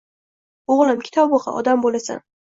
O‘g‘lim, kitob o‘qi, odam bo‘lasan.